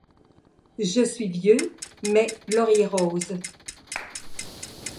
Je suis vieux, mais lauriers-roses